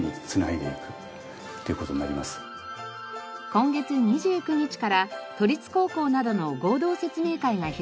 今月２９日から都立高校などの合同説明会が開かれます。